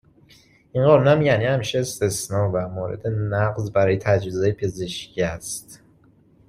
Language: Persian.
این قانون هم یعنی همیشه استثنا و مورد نقض برای تجویزهای پزشکی هست.